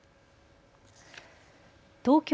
東京